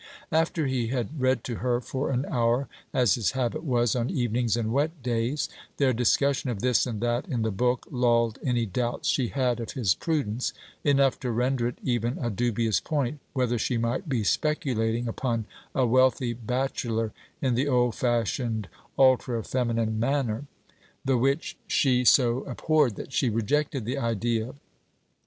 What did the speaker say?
After he had read to her for an hour, as his habit was on evenings and wet days, their discussion of this and that in the book lulled any doubts she had of his prudence, enough to render it even a dubious point whether she might be speculating upon a wealthy bachelor in the old fashioned ultra feminine manner; the which she so abhorred that she rejected the idea.